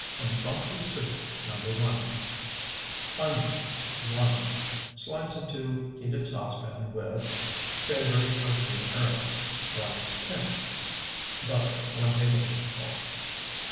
IMPROMPTU SOUP NO. 1 Onion, 1. Slice into heated saucepan with Savory or green herbs, 1 pinch. Butter, 1 tablespoonful.